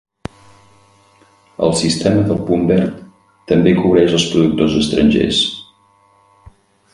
El sistema del punt verd també cobreix els productors estrangers.